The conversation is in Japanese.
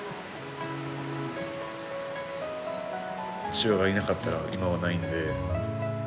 父親がいなかったら今はないんで。